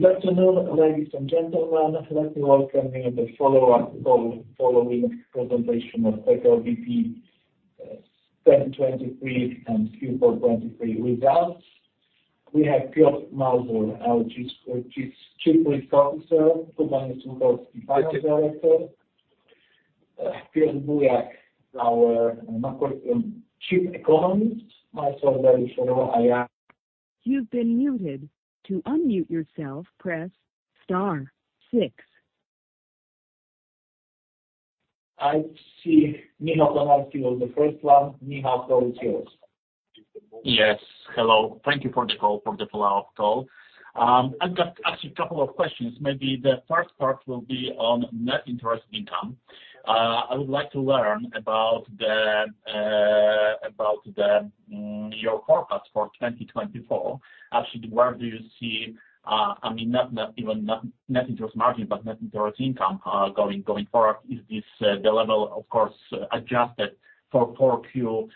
Good afternoon, ladies and gentlemen. Let me welcome you in the follow-up call following presentation of PKO BP 1Q 2023 and Q4 2023 results. We have Piotr Mazur, our Chief Risk Officer; Jakub Niesluchowski, Finance Director; Piotr Bujak, our Chief Economist; Marcin Eckert, Iwona Duda. You've been muted. To unmute yourself, press star six. I see Michał Konarski was the first one. Michał, the floor is yours. Yes. Hello. Thank you for the call, for the follow-up call. I've got actually a couple of questions. Maybe the first part will be on net interest income. I would like to learn about your forecast for 2024. Actually, where do you see I mean, not even net interest margin, but net interest income going forward? Is this the level, of course, adjusted for 4Q?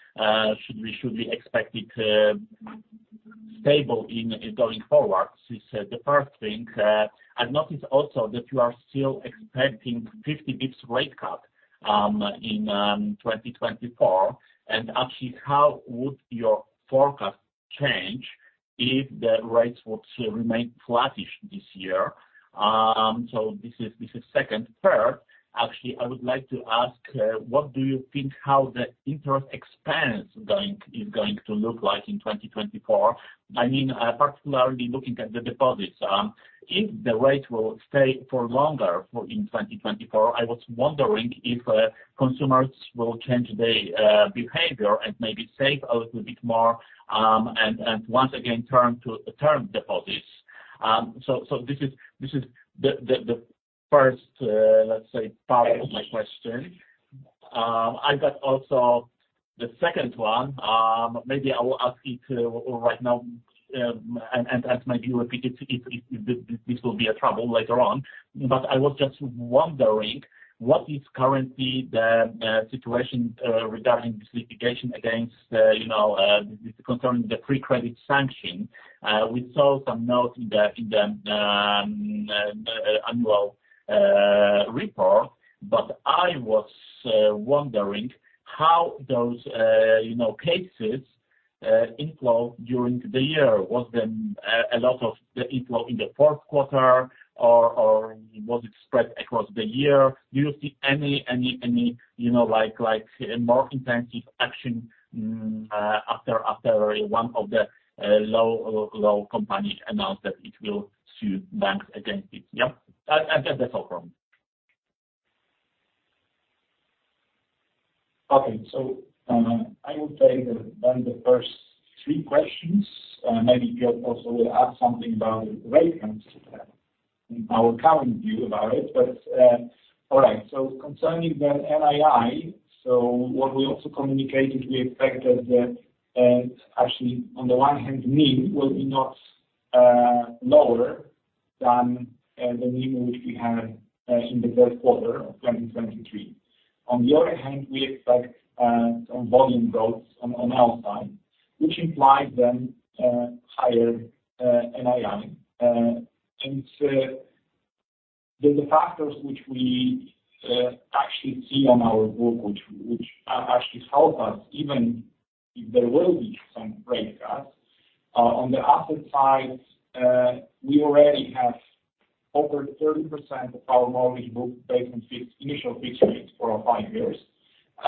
Should we expect it stable going forward? This is the first thing. I've noticed also that you are still expecting 50 bps rate cut in 2024. And actually, how would your forecast change if the rates would remain flattish this year? So this is second. Third, actually, I would like to ask, what do you think how the interest expense is going to look like in 2024? I mean, particularly looking at the deposits. If the rate will stay for longer in 2024, I was wondering if consumers will change their behavior and maybe save a little bit more and once again turn to deposits. So this is the first, let's say, part of my question. I've got also the second one. Maybe I will ask it right now and maybe repeat it if this will be a trouble later on. But I was just wondering, what is currently the situation regarding this litigation concerning the free credit sanction? We saw some notes in the annual report, but I was wondering how those cases inflow during the year. Was there a lot of the inflow in the Q4, or was it spread across the year? Do you see any more intensive action after one of the law firms announced that it will sue banks against it? Yeah? I've got that all from me. Okay. So I will take then the first three questions. Maybe Piotr also will add something about the rate and our current view about it. But all right. So concerning the NII, so what we also communicated, we expected that actually, on the one hand, NIM will be not lower than the NIM which we had in the Q3 of 2023. On the other hand, we expect some volume growth on our side, which implies then higher NII. And there's the factors which we actually see on our book, which actually help us even if there will be some rate cuts. On the asset side, we already have over 30% of our mortgage book based on initial fixed rates for five years.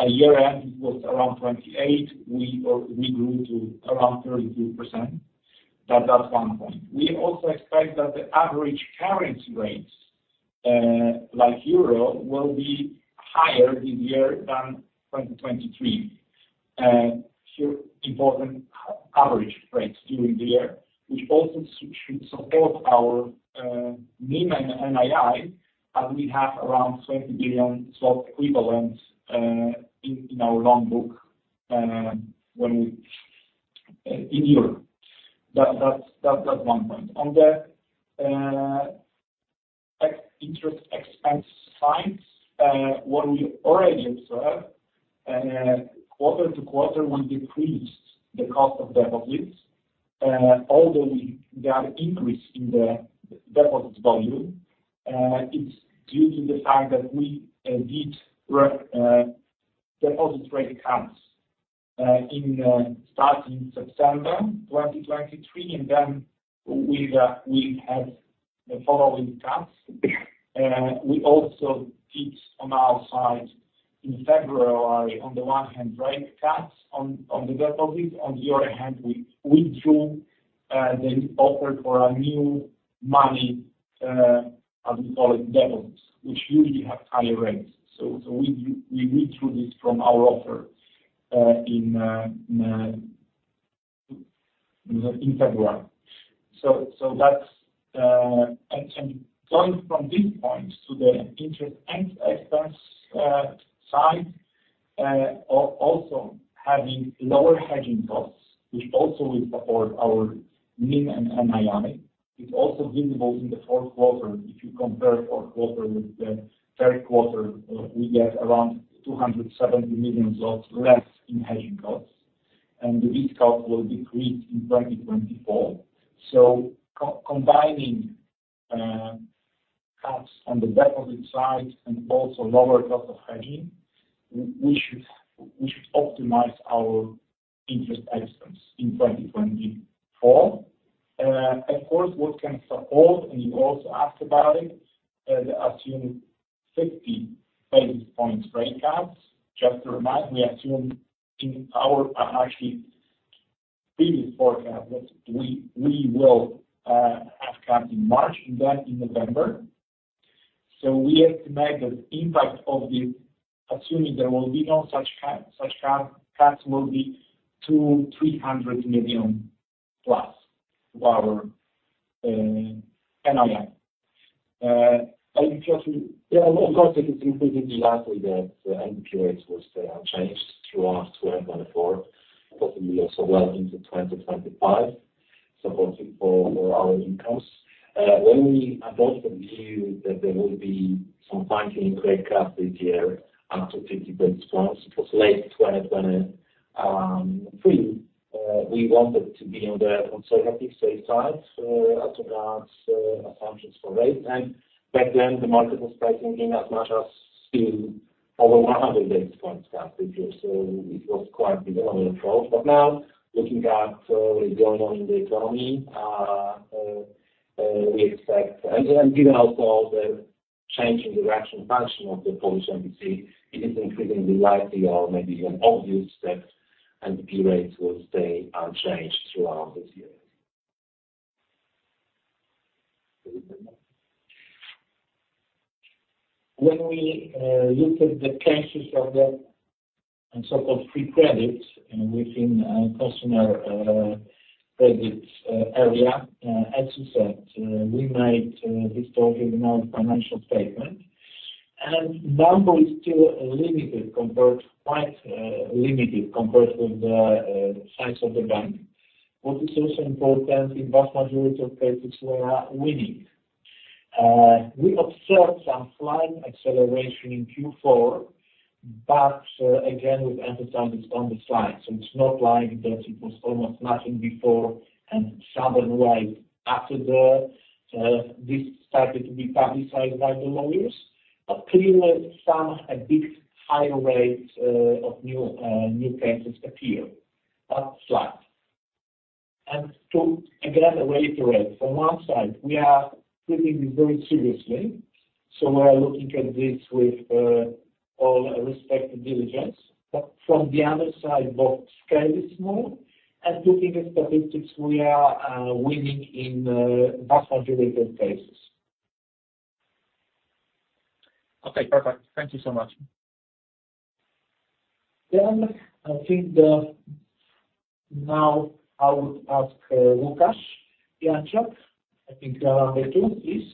Year-end, it was around 28%. We grew to around 32%. That's one point. We also expect that the average currency rates, like euro, will be higher this year than 2023. Here, important average rates during the year, which also should support our NIM and NII, as we have around 20 billion equivalents in our loan book in Europe. That's one point. On the interest expense side, what we already observed, quarter-to-quarter, we decreased the cost of deposits. Although there are increases in the deposits volume, it's due to the fact that we did deposit rate cuts starting September 2023, and then we had the following cuts. We also did, on our side, in February, on the one hand, rate cuts on the deposits. On the other hand, we withdrew the offer for a new money, as we call it, deposits, which usually have higher rates. So we withdrew this from our offer in February. Going from this point to the interest expense side, also having lower hedging costs, which also will support our NIM and NII. It's also visible in the Q4. If you compare Q4 with the Q3, we get around PLN 270 million less in hedging costs. This cost will decrease in 2024. So combining cuts on the deposit side and also lower cost of hedging, we should optimize our interest expense in 2024. Of course, what can support and you also asked about it, the assumed 50 basis points rate cuts. Just to remind, we assume in our actually previous forecast, we will have cuts in March and then in November. So we estimate that the impact of this, assuming there will be no such cuts, will be PLN 200million-300 million plus to our NII. I think, Piotr— Yeah. Of course, it is including the lastly that I think the NBP will stay unchanged throughout 2024, possibly also well into 2025, supporting for our incomes. When we adopted the view that there will be some financing rate cuts this year up to 50 basis points, it was late 2023. We wanted to be on the conservative safe side as to cut assumptions for rates. And back then, the market was pricing in as much as to over 100 basis points cuts this year. So it was quite a reasonable approach. But now, looking at what is going on in the economy, we expect and given also the changing direction function of the Polish MPC, it is increasingly likely or maybe even obvious that NBP rates will stay unchanged throughout this year. When we looked at the changes of the so-called free credits within customer credit area, as you said, we made this total financial statement. Number is still limited, quite limited compared with the size of the bank, which is also important in vast majority of cases where we need. We observed some slight acceleration in Q4, but again, with emphasis on the slight. So it's not like that it was almost nothing before and sudden wave after this started to be publicized by the lawyers. But clearly, somewhat higher rates of new cases appear, but slight. To again reiterate, from one side, we are treating this very seriously. So we are looking at this with all respect and diligence. But from the other side, the scale is small. Looking at statistics, we are winning in vast majority of cases. Okay. Perfect. Thank you so much. Yeah. I think now I would ask Łukasz Janczak. I think you are on the queue, please.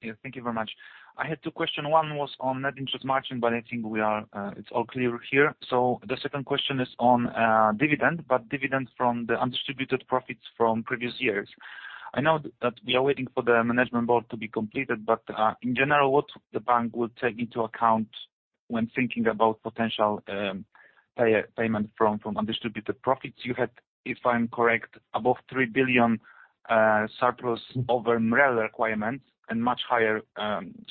Yeah. Thank you very much. I had two questions. One was on net interest margin, but I think it's all clear here. So the second question is on dividend, but dividend from the undistributed profits from previous years. I know that we are waiting for the management board to be completed, but in general, what the bank will take into account when thinking about potential payment from undistributed profits? You had, if I'm correct, above 3 billion surplus over MREL requirements and much higher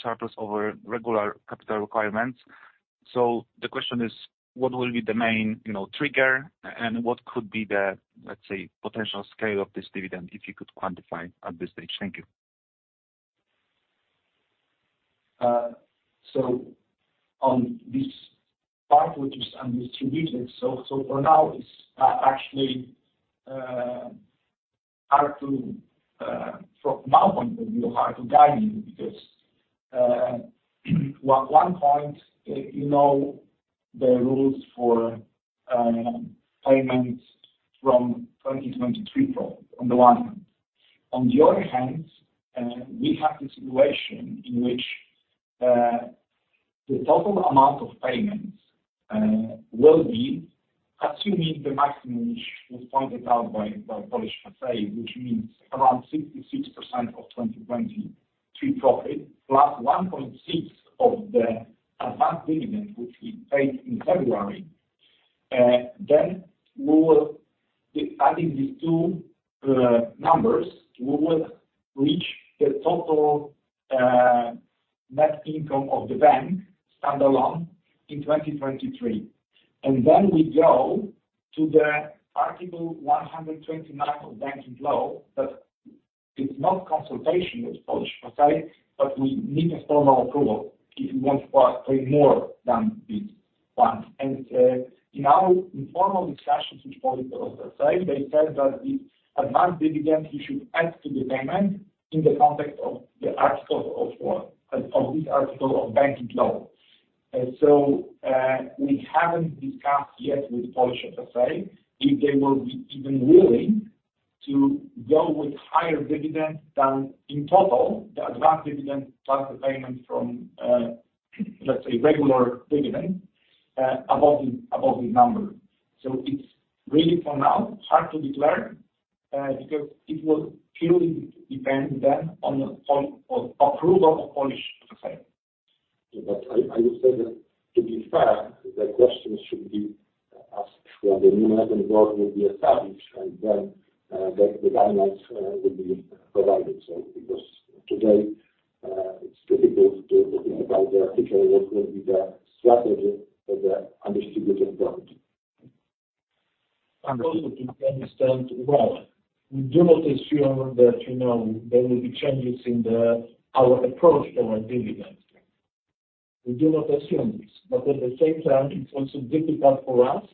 surplus over regular capital requirements. So the question is, what will be the main trigger and what could be the, let's say, potential scale of this dividend if you could quantify at this stage? Thank you. So on this part, which is undistributed, so for now, it's actually hard to from our point of view, hard to guide you because one point, you know the rules for payment from 2023 profit on the one hand. On the other hand, we have the situation in which the total amount of payments will be, assuming the maximum which was pointed out by Polish FSA, which means around 66% of 2023 profit plus 1.6% of the advance dividend which we paid in February. Then adding these two numbers, we will reach the total net income of the bank standalone in 2023. Then we go to the Article 129 of Banking Law that it's not consultation with Polish FSA, but we need a formal approval if we want to pay more than this one. And in our informal discussions with Polish FSA, they said that this advance dividend, you should add to the payment in the context of the article of this article of Banking Law. So we haven't discussed yet with Polish FSA if they will be even willing to go with higher dividend than in total, the advance dividend plus the payment from, let's say, regular dividend above this number. So it's really, for now, hard to declare because it will purely depend then on approval of Polish FSA. Yeah. But I would say that to be fair, the questions should be asked when the new management board will be established and then the guidelines will be provided. So because today, it's critical to think about the article, what will be the strategy for the undistributed profit. Understood. To be understood well. We do not assume that there will be changes in our approach to our dividend. We do not assume this. But at the same time, it's also difficult for us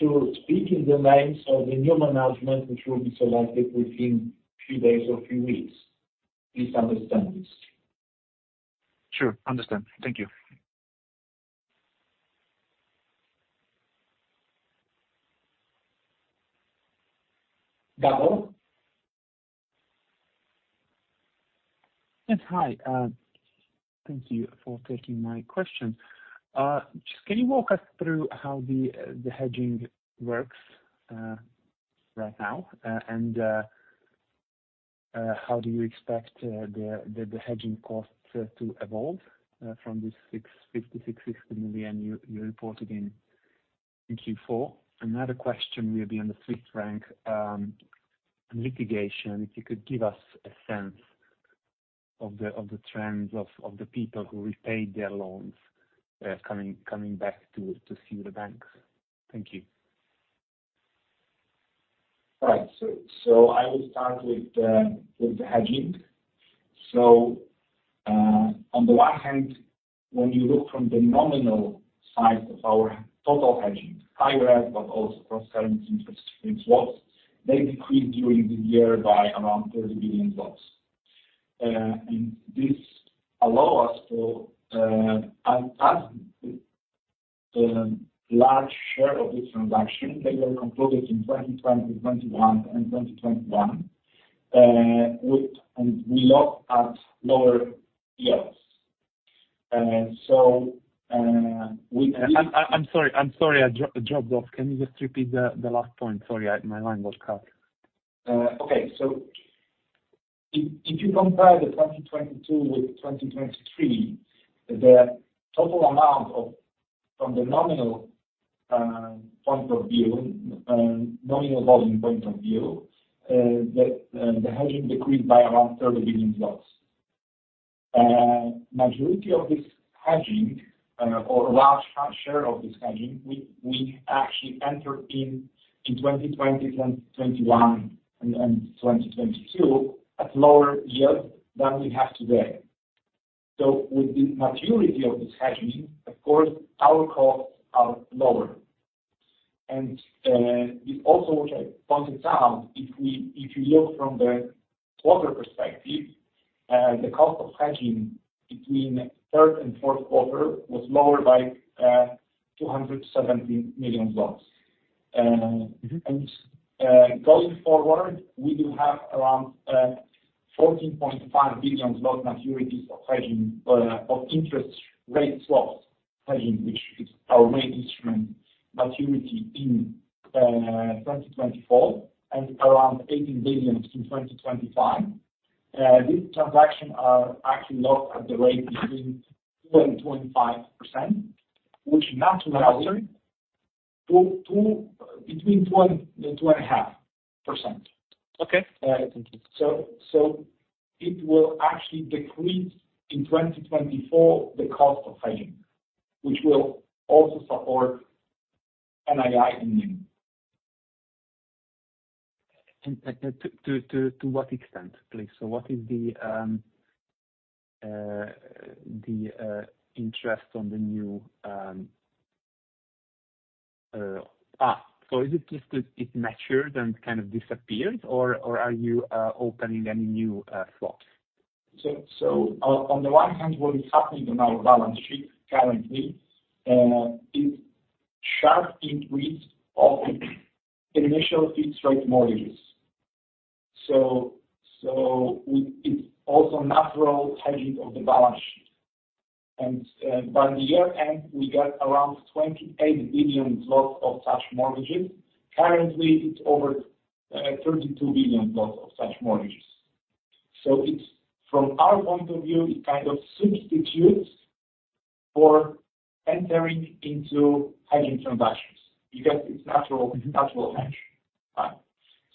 to speak in the names of the new management which will be selected within a few days or a few weeks. Please understand this. Sure. Understand. Thank you. Pawel? Yes. Hi. Thank you for taking my questions. Can you walk us through how the hedging works right now and how do you expect the hedging costs to evolve from this 50-60 million you reported in Q4? Another question, we'll be on the Swiss franc litigation, if you could give us a sense of the trends of the people who repaid their loans coming back to sue the banks. Thank you. All right. So I will start with the hedging. So on the one hand, when you look from the nominal size of our total hedging, higher rate but also cross-currency interest rate swaps, they decreased during this year by around PLN 30 billion. And this allows us to add the large share of this transaction. They were concluded in 2020, 2021, and 2021. And we look at lower yields. So with this. I'm sorry. I'm sorry. I dropped off. Can you just repeat the last point? Sorry, my line was cut. Okay. So if you compare the 2022 with 2023, the total amount from the nominal point of view, nominal volume point of view, the hedging decreased by around PLN 30 billion. Majority of this hedging or large share of this hedging, we actually entered in 2020, 2021, and 2022 at lower yields than we have today. So with the maturity of this hedging, of course, our costs are lower. And this also, which I pointed out, if you look from the quarter perspective, the cost of hedging between third and Q4 was lower by PLN 270 million. And going forward, we do have around PLN 14.5 billion maturities of interest rate swap hedging, which is our main instrument, maturity in 2024 and around 18 billion in 2025. This transaction are actually locked at the rate between 2%-2.5%, which naturally Between 2% and 2.5%. Okay. Thank you. So it will actually decrease in 2024 the cost of hedging, which will also support NII and NIM. To what extent, please? What is the interest on the new? So, is it just that it matured and kind of disappeared, or are you opening any new SWAP? So on the one hand, what is happening on our balance sheet currently is sharp increase of initial fixed-rate mortgages. So it's also natural hedging of the balance sheet. By year-end, we got around 28 billion of such mortgages. Currently, it's over 32 billion of such mortgages. So from our point of view, it kind of substitutes for entering into hedging transactions because it's natural hedge.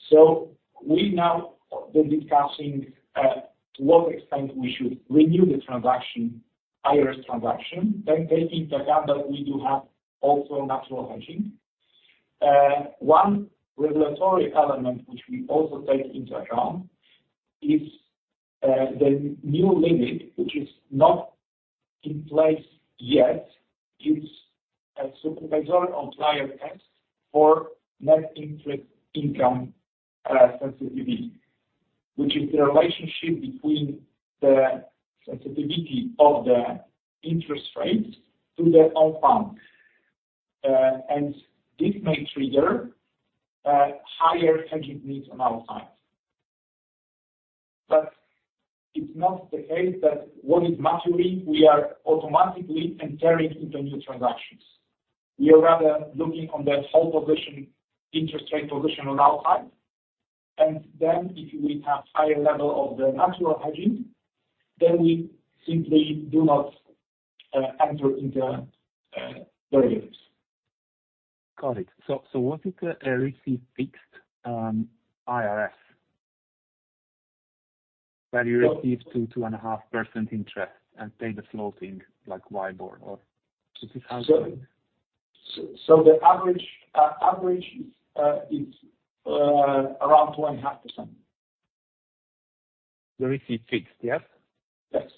So we now are discussing to what extent we should renew the transaction, IRS transaction, then taking into account that we do have also natural hedging. One regulatory element which we also take into account is the new limit, which is not in place yet. It's a supervisory overlay test for net interest income sensitivity, which is the relationship between the sensitivity of the interest rates to their own funds. And this may trigger higher hedging needs on our side. But it's not the case that what is maturing, we are automatically entering into new transactions. We are rather looking on the whole interest rate position on our side. And then if we have higher level of the natural hedging, then we simply do not enter into derivatives. Got it. So what if a really fixed IRS value receives 2.5% interest and pay the floating like WIBOR, or is this how it works? The average is around 2.5%. The receipt fixed, yes? Yes.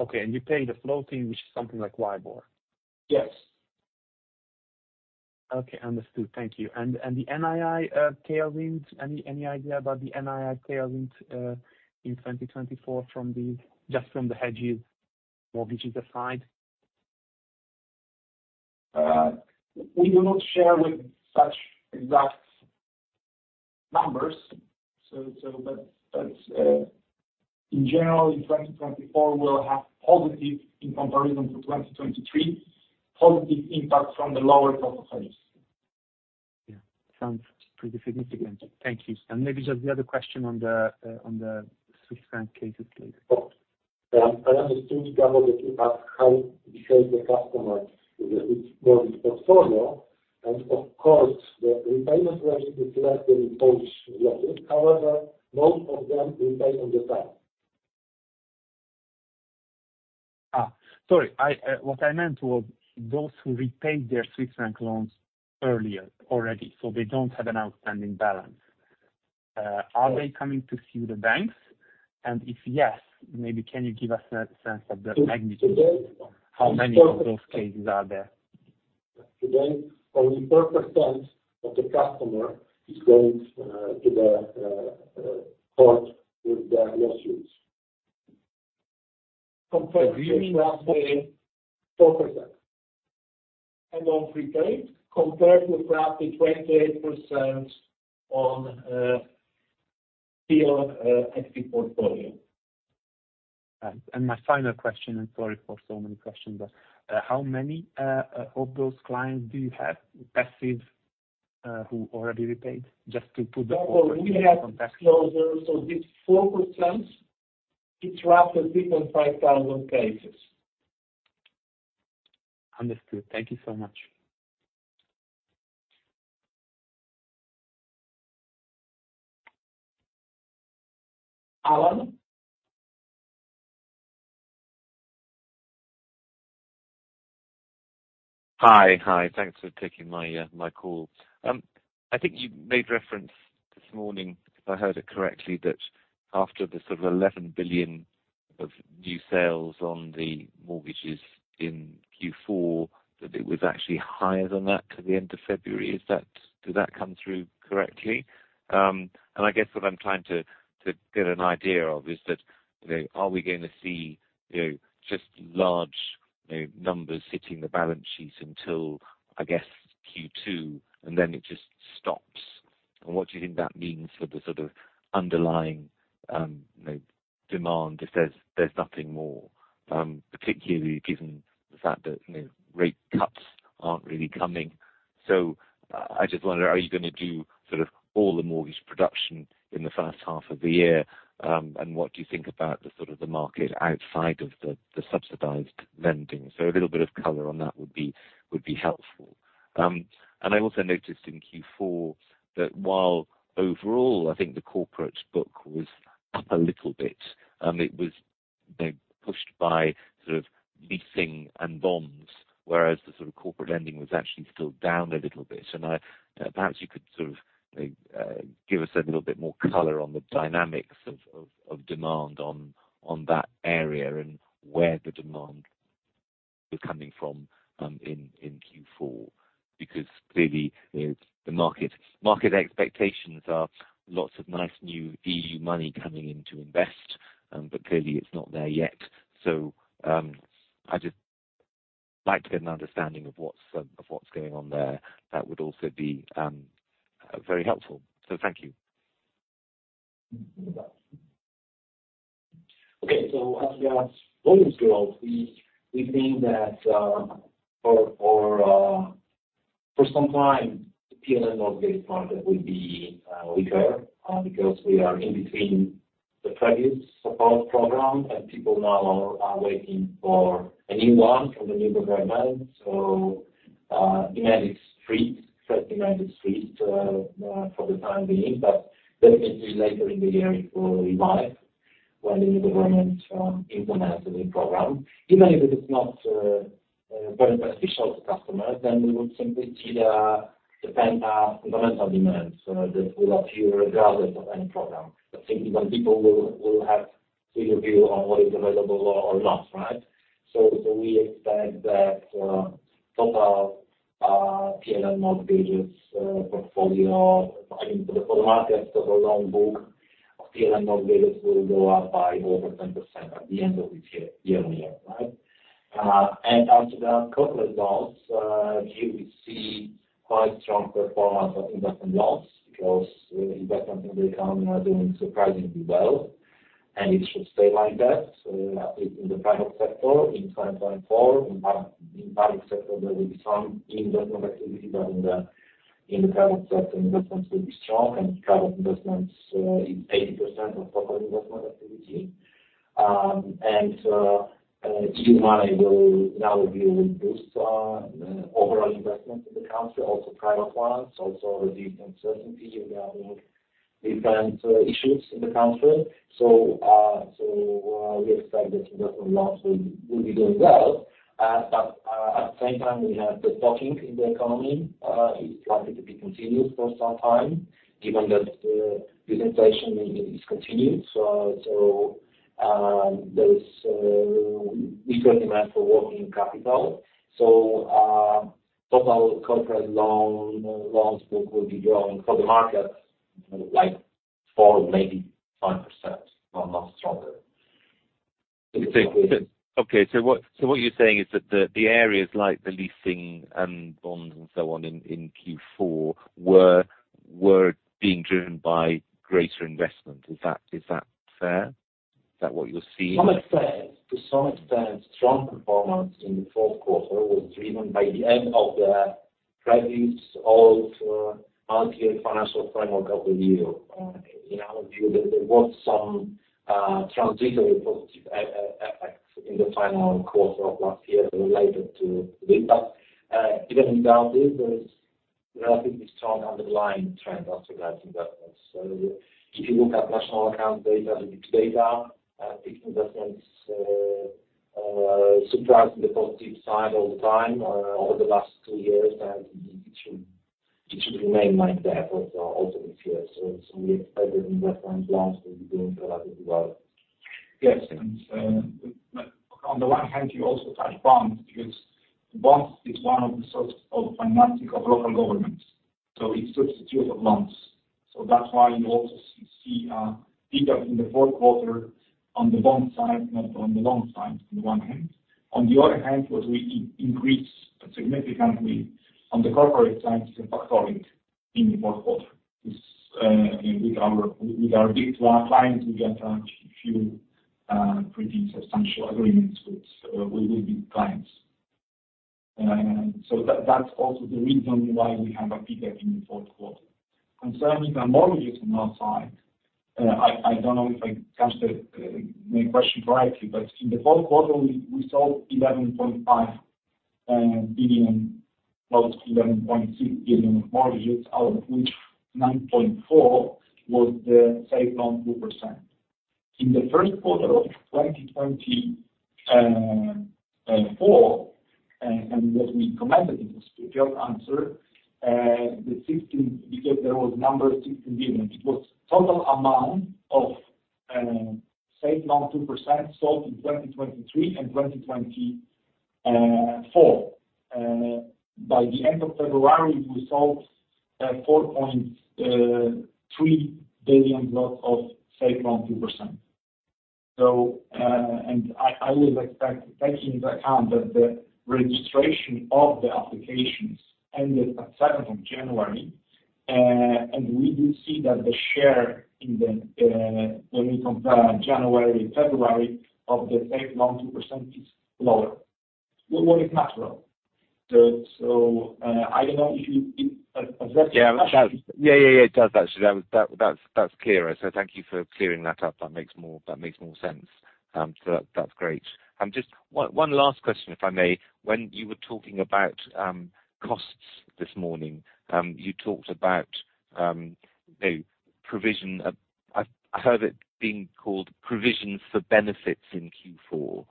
Okay. And you pay the floating, which is something like WIBOR? Yes. Okay. Understood. Thank you. And the NII tailwinds, any idea about the NII tailwinds in 2024 just from the hedges mortgages aside? We do not share with such exact numbers. But in general, in 2024, we'll have positive in comparison to 2023, positive impact from the lower cost of hedges. Yeah. Sounds pretty significant. Thank you. Maybe just the other question on the Swiss franc cases, please. I understood, Paweł, that you asked how behaves the customer with its mortgage portfolio. Of course, the repayment rate is less than in Polish loans. However, most of them repay on time. Sorry. What I meant was those who repay their Swiss franc loans earlier already, so they don't have an outstanding balance, are they coming to sue the banks? And if yes, maybe can you give us a sense of the magnitude, how many of those cases are there? Today, only 4% of the customer is going to the court with their lawsuits. Compared to perhaps the agreement. 4% on prepaid, compared with perhaps the 28% on still active portfolio. And my final question, and sorry for so many questions, but how many of those clients do you have passive who already repaid, just to put the 4% in context? Paweł, we have closures. So this 4%, it's roughly 3,500 cases. Understood. Thank you so much. Alan? Hi. Hi. Thanks for taking my call. I think you made reference this morning, if I heard it correctly, that after the sort of 11 billion of new sales on the mortgages in Q4, that it was actually higher than that to the end of February. Did that come through correctly? And I guess what I'm trying to get an idea of is that are we going to see just large numbers sitting in the balance sheet until, I guess, Q2, and then it just stops? And what do you think that means for the sort of underlying demand if there's nothing more, particularly given the fact that rate cuts aren't really coming? So I just wonder, are you going to do sort of all the mortgage production in the first half of the year? And what do you think about the sort of the market outside of the subsidized lending? So a little bit of color on that would be helpful. And I also noticed in Q4 that while overall, I think the corporate book was up a little bit, it was pushed by sort of leasing and bonds, whereas the sort of corporate lending was actually still down a little bit. And perhaps you could sort of give us a little bit more color on the dynamics of demand on that area and where the demand was coming from in Q4 because clearly, the market expectations are lots of nice new EU money coming in to invest, but clearly, it's not there yet. So, I'd just like to get an understanding of what's going on there. That would also be very helpful. So thank you. Okay. So as we asked volumes growth, we think that for some time, the PLN mortgage part would be weaker because we are in between the previous support program, and people now are waiting for a new one from the new government. So demand is free, fresh demand is free for the time being. But definitely, later in the year, it will revive when the new government implements a new program. Even if it is not very beneficial to customers, then we would simply see the fundamental demand that will appear regardless of any program. But simply when people will have clear view on what is available or not, right? So we expect that total PLN mortgages portfolio, I mean, for the market, total loan book of PLN mortgages will go up by over 10% at the end of this year, year-on-year, right? As to the corporate loans, here we see quite strong performance on investment loans because investments in the economy are doing surprisingly well. It should stay like that, at least in the private sector. In 2024, in the public sector, there will be some investment activity, but in the private sector, investments will be strong. Private investments is 80% of total investment activity. EU money, in our view, will boost overall investments in the country, also private ones, also reduce uncertainty regarding different issues in the country. So we expect that investment loans will be doing well. But at the same time, we have the stocking in the economy. It's likely to be continuous for some time given that this inflation is continued. So there is weaker demand for working capital. Total corporate loans book will be growing for the market like 4%, maybe 5%, but not stronger. Okay. Okay. So what you're saying is that the areas like the leasing and bonds and so on in Q4 were being driven by greater investment. Is that fair? Is that what you're seeing? To some extent, strong performance in the Q4 was driven by the end of the previous old multi-year financial framework of the EU. In our view, there was some transitory positive effect in the final quarter of last year related to this. But even without this, there is relatively strong underlying trend as regards investments. So if you look at national accounts data, the big data, big investments surprised on the positive side all the time over the last two years, and it should remain like that also this year. So we expect that investment loans will be doing relatively well. Yes. And on the one hand, you also touch bonds because bonds is one of the sources of financing of local governments. So it's substitute of loans. So that's why you also see a pickup in the Q4 on the bond side, not on the loan side, on the one hand. On the other hand, what we increase significantly on the corporate side is a factoring in the Q4. With our big clients, we got a few pretty substantial agreements with big clients. So that's also the reason why we have a pickup in the Q4. Concerning the mortgages on our side, I don't know if I caught my question correctly, but in the Q4, we sold 11.5 billion, close to 11.6 billion of mortgages, out of which 9.4 billion was the Safe Loan 2%. In the Q1 of 2024, and what we commented in the split-year answer, because there was number 16 billion, it was total amount of Safe Loan 2% sold in 2023 and 2024. By the end of February, we sold 4.3 billion of Safe Loan 2%. I will expect taking into account that the registration of the applications ended at 7th of January, and we do see that the share when we compare January, February of the Safe Loan 2% is lower, which is natural. I don't know if you addressed that. Yeah. Yeah. Yeah. It does that. That's clear. So thank you for clearing that up. That makes more sense. So that's great. Just one last question, if I may. When you were talking about costs this morning, you talked about provision. I heard it being called provisions for benefits in Q4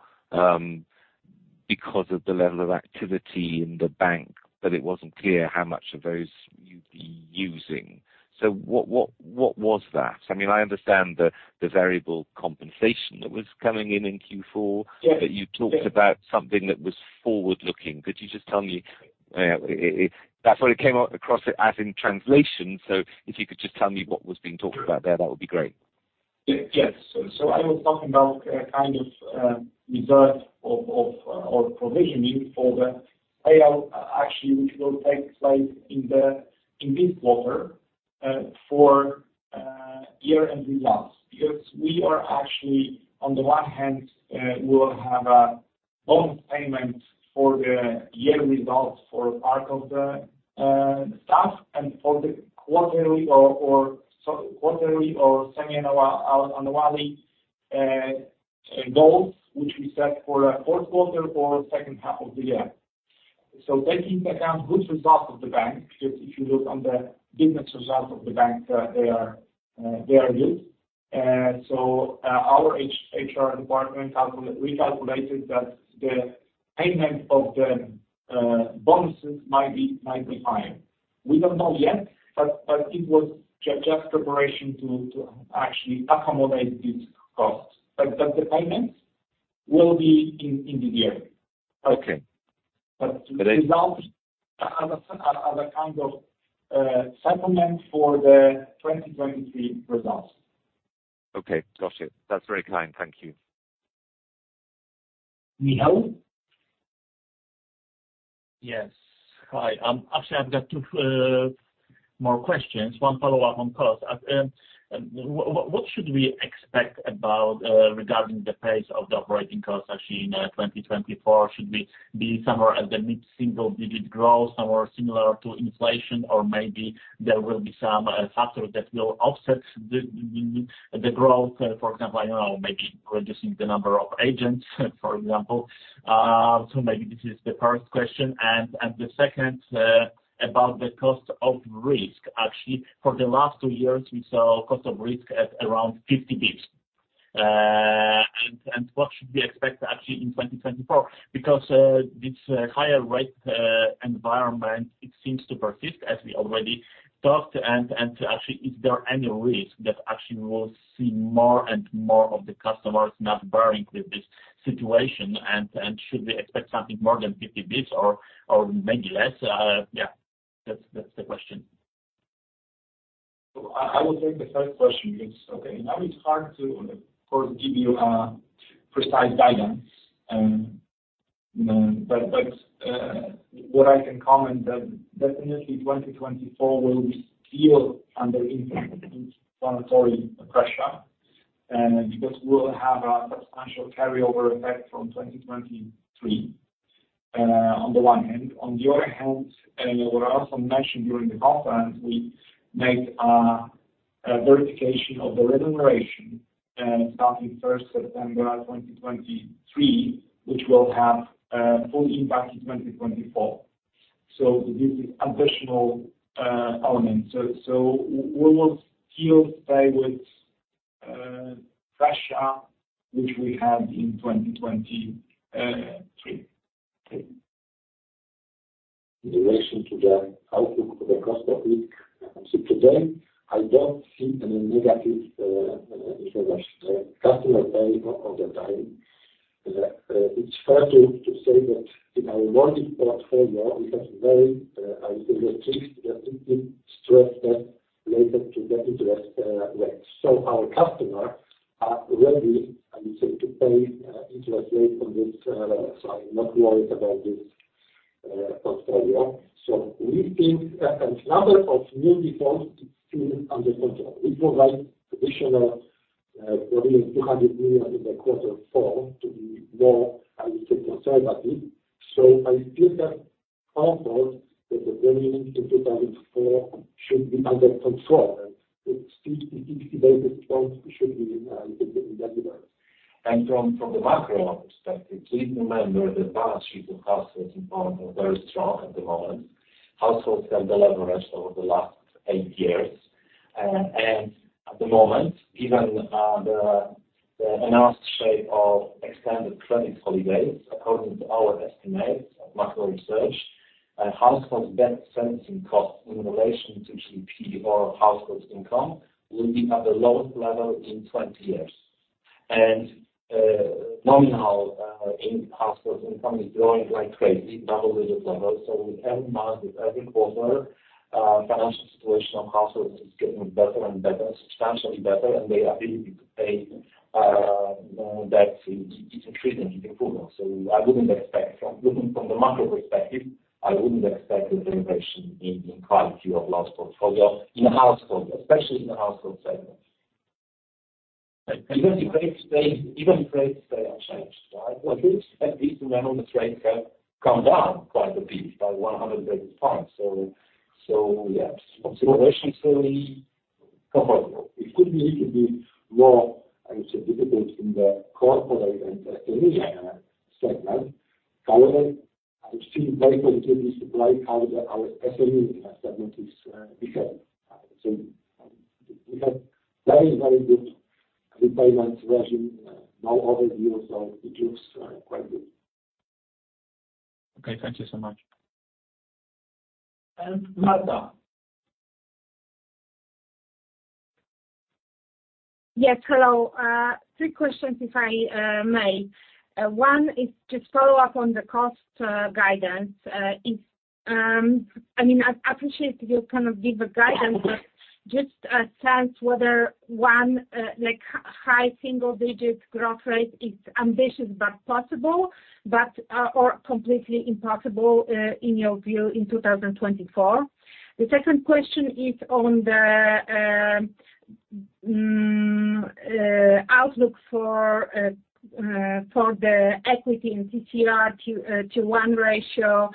because of the level of activity in the bank, but it wasn't clear how much of those you'd be using. So what was that? I mean, I understand the variable compensation that was coming in in Q4, but you talked about something that was forward-looking. Could you just tell me? That's what it came across as in translation. So if you could just tell me what was being talked about there, that would be great. Yes. So I was talking about kind of reserve or provisioning for the payout, actually, which will take place in this quarter for year-end results because we are actually, on the one hand, we will have a bonus payment for the year results for part of the staff and for the quarterly or semi-annual goals, which we set for Q4 or second half of the year. So taking into account good results of the bank because if you look on the business results of the bank, they are good. So our HR department recalculated that the payment of the bonuses might be higher. We don't know yet, but it was just preparation to actually accommodate these costs. But the payments will be in this year. Okay. But it's— But as a kind of settlement for the 2023 results. Okay. Gotcha. That's very kind. Thank you. Michal? Yes. Hi. Actually, I've got two more questions. One follow-up on costs. What should we expect regarding the pace of the operating costs actually in 2024? Should we be somewhere at the mid-single-digit growth, somewhere similar to inflation, or maybe there will be some factors that will offset the growth? For example, I don't know, maybe reducing the number of agents, for example. So maybe this is the first question. And the second, about the cost of risk. Actually, for the last two years, we saw cost of risk at around 50 bps. And what should we expect actually in 2024? Because this higher-rate environment, it seems to persist, as we already talked. And actually, is there any risk that actually we will see more and more of the customers not bearing with this situation? And should we expect something more than 50 bps or maybe less? Yeah. That's the question. I will take the first question because, okay, now it's hard to, of course, give you a precise guidance. But what I can comment that definitely 2024 will be still under inflationary pressure because we will have a substantial carryover effect from 2023, on the one hand. On the other hand, what I also mentioned during the conference, we made a verification of the remuneration starting 1st September 2023, which will have full impact in 2024. So, this is an additional element. So, we will still stay with pressure, which we had in 2023. In relation to the outlook for the cost of risk, actually, today, I don't see any negative information. Customer pay all the time. It's fair to say that in our mortgage portfolio, we have very, I would say, restricted stress tests related to the interest rates. So our customers are ready, I would say, to pay interest rates on this level. So I'm not worried about this portfolio. So we think a number of new defaults, it seems under control. We provide additional probably 200 million in the Q4 to be more, I would say, conservative. So I still have concerns that the remaining in 2024 should be under control, and the 60 basis points should be, I would say, delivered. From the macro perspective, please remember that balance sheet of households in Poland is very strong at the moment. Households have the leverage over the last eight years. At the moment, given the announced shape of extended credit holidays, according to our estimates of macro research, households' debt servicing costs in relation to GDP or households' income will be at the lowest level in 20 years. Nominal households' income is growing like crazy, double-digit level. With every month, with every quarter, financial situation of households is getting better and better, substantially better, and their ability to pay debts is increasing, is improving. I wouldn't expect from looking from the macro perspective, I wouldn't expect a variation in quality of loan portfolio in the household, especially in the household segment. Even if rates stay unchanged, right? At least remember the rates have come down quite a bit by 100 basis points. So yeah, consideration is really comfortable. It could be a little bit more, I would say, difficult in the corporate and SME segment. However, I feel very positively surprised how our SME segment is behaving. So we have very, very good repayment regime, no overdues, so it looks quite good. Okay. Thank you so much. And Marta? Yes. Hello. Three questions, if I may. One is just follow-up on the cost guidance. I mean, I appreciate you kind of give a guidance, but just a sense whether one high single-digit growth rate is ambitious but possible or completely impossible in your view in 2024. The second question is on the outlook for the equity and Tier 1 ratio,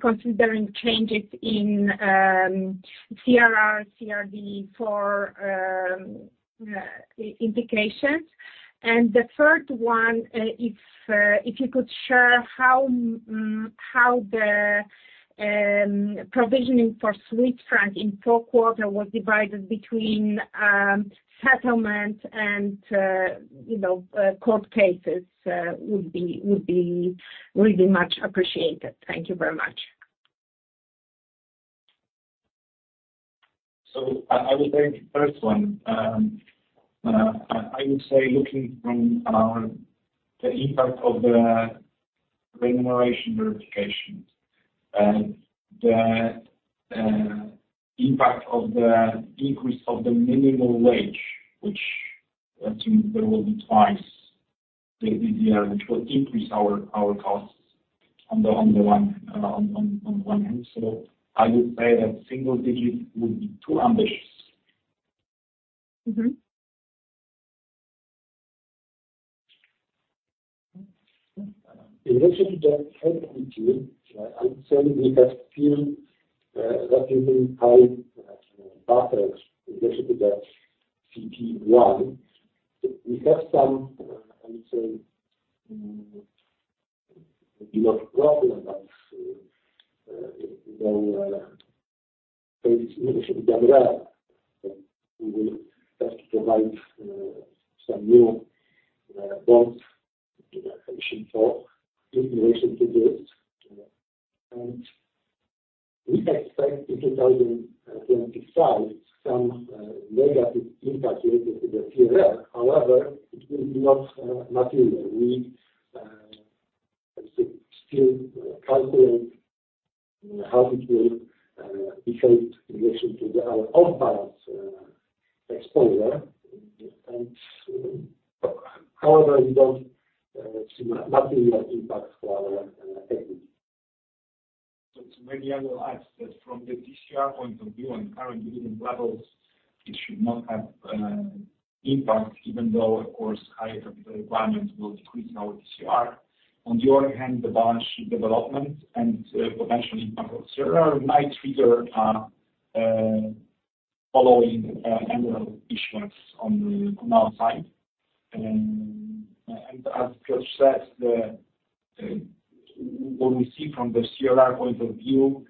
considering changes in CRR, CRD IV indications. And the third one is if you could share how the provisioning for Swiss franc in Q4 was divided between settlement and court cases would be really much appreciated. Thank you very much. I will take the first one. I would say looking from the impact of the remuneration verification, the impact of the increase of the minimum wage, which assume there will be twice this year, which will increase our costs on the one hand. I would say that single-digit would be too ambitious. In relation to the headquarters, I would say we have still relatively high buffer in relation to the CET1. We have some, I would say, maybe not a problem, but in relation to MREL, we will have to provide some new bonds in relation to this. And we expect in 2025 some negative impact related to the CRR. However, it will not be material. We, I would say, still calculate how it will behave in relation to our off-balance exposure. And however, we don't see material impact for our equity. Maybe I will add that from the TCR point of view and current dividend levels, it should not have impact, even though, of course, higher capital requirements will decrease our TCR. On the other hand, the balance sheet development and potentially impact of CRR might trigger following annual issuance on our side. As Piotr said, what we see from the CRR point of view,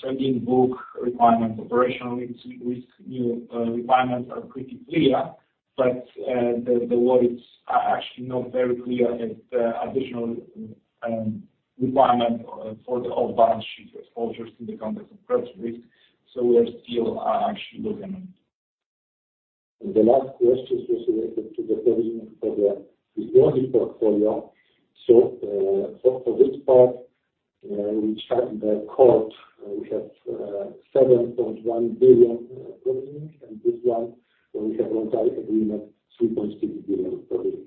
trading book requirements, operational risk, new requirements are pretty clear, but the word is actually not very clear as the additional requirement for the off-balance sheet exposures in the context of credit risk. We are still actually looking at it. The last question was related to the provisioning for the mortgage portfolio. So for this part, which has the court, we have 7.1 billion provisioning, and this one where we have a restructuring agreement, 3.6 billion provisioning.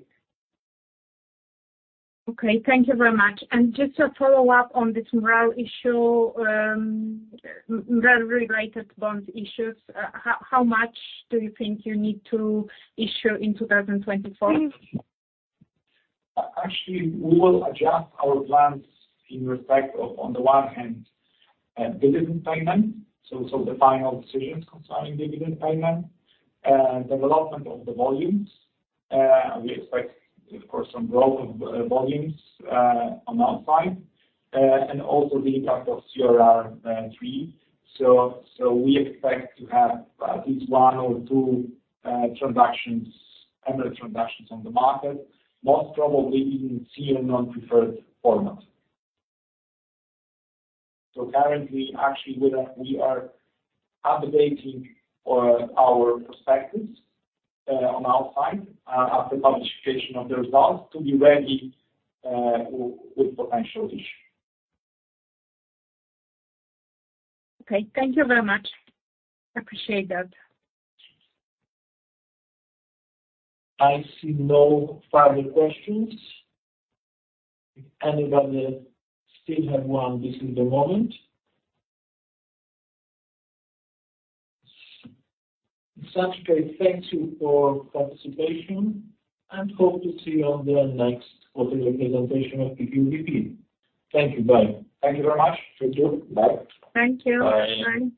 Okay. Thank you very much. Just to follow up on this MREL issue, MREL-related bond issues, how much do you think you need to issue in 2024? Actually, we will adjust our plans in respect of, on the one hand, dividend payment, so the final decisions concerning dividend payment, development of the volumes. We expect, of course, some growth of volumes on our side and also the impact of CRR3. So, we expect to have at least one or two MREL transactions on the market, most probably in senior non-preferred format. So currently, actually, we are updating our prospects on our side after publication of the results to be ready with potential issue. Okay. Thank you very much. Appreciate that. I see no further questions. If anybody still have one, this is the moment. Thank you for participation and hope to see you on the next quarterly presentation of PKO BP. Thank you. Bye. Thank you very much. You too. Bye. Thank you. Bye. Bye.